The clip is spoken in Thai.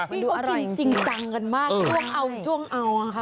มันดูอร่อยจริงกันมากช่วงเอาค่ะ